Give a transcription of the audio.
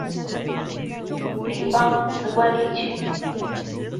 李芳辞官离去。